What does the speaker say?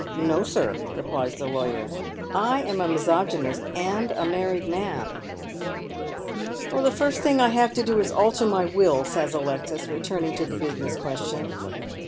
" No, sir," replies the lawyer, *' I am a misogynist, and a mam'ed man," " The first thing I have to do is to alter my will," says Alexis, returning to the business question.